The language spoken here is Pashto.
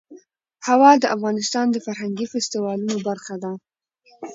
هوا د افغانستان د فرهنګي فستیوالونو برخه ده.